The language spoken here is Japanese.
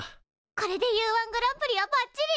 これでＵ−１グランプリはばっちり！